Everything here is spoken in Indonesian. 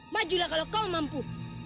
majulah kalau kau mampu